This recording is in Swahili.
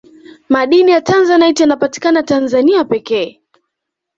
madini ya tanzanite yanapatikana tanzania pekee